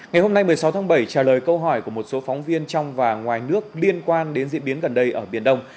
ngày hôm nay một mươi sáu tháng bảy trả lời câu hỏi của một số phóng viên trong và ngoài nước liên quan đến diễn biến gần đây ở biển đông